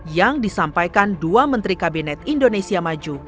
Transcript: yang disampaikan dua menteri kabinet indonesia maju